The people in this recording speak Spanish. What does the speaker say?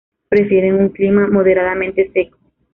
Prefiere un clima moderadamente seco.